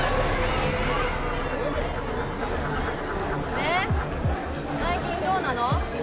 で最近どうなの？